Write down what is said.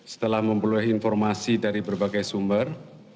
setelah memperoleh informasi dari berbagai sumber